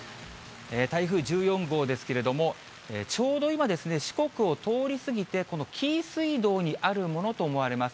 台風１４号ですけれども、ちょうど今、四国を通り過ぎて、紀伊水道にあるものと思われます。